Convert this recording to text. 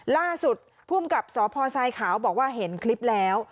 ล่าสุดภูมิกับสพทรายขาวบอกว่าเห็นคลิปแล้ว